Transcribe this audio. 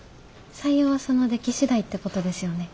採用はその出来次第ってことですよね？